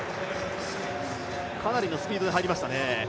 かなりのスピードで入りましたね。